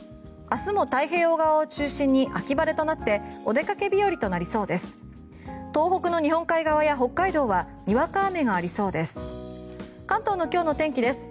明日も太平洋側を中心に秋晴れとなってお出かけ日和となりそうです。